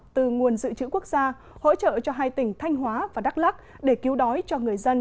từ nguồn dự trữ quốc gia hỗ trợ cho hai tỉnh thanh hóa và đắk lắc để cứu đói cho người dân